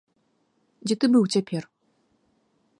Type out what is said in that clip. Дзе ты быў цяпер?